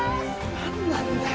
何なんだよ